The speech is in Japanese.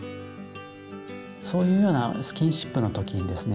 そういうようなスキンシップの時にですね